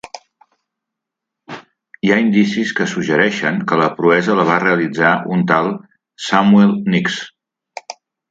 Hi ha indicis que suggereixen que la proesa la va realitzar un tal Samuel Nicks.